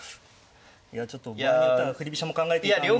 いやちょっと場合によったら振り飛車も考えていたんですけど。